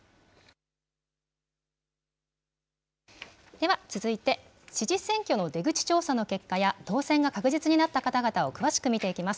では続いて、知事選挙の出口調査の結果や、当選が確実になった方々を詳しく見ていきます。